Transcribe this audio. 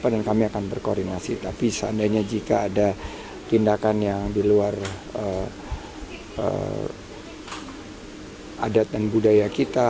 dan kami akan berkoordinasi tapi seandainya jika ada tindakan yang di luar adat dan budaya kita